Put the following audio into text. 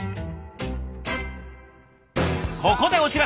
ここでお知らせ！